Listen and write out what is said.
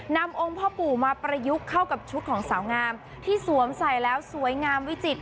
นำองค์พ่อปู่มาประยุกต์เข้ากับชุดของสาวงามที่สวมใส่แล้วสวยงามวิจิตร